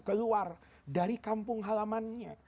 keluar dari kampung halamannya